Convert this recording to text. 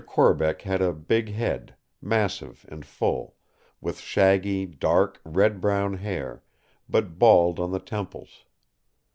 Corbeck had a big head, massive and full; with shaggy, dark red brown hair, but bald on the temples.